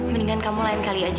mendingan kamu lain kali aja